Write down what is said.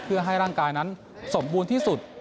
เพื่อให้ร่างกายนั้นสมบูรณ์ที่สุด